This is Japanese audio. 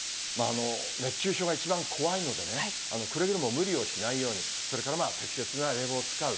熱中症が一番怖いのでね、くれぐれも無理をしないように、それから適切な冷房を使う。